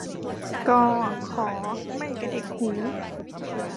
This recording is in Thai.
ก ข ไม่กระดิกหู